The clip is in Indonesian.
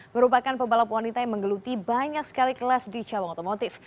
merupakan pebalap wanita yang menggeluti banyak sekali kelas di cabang otomotif